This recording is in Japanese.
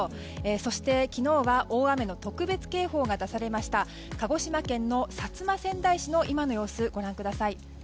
そして、昨日は大雨の特別警報が出されました鹿児島県の薩摩川内市の今の様子ご覧ください。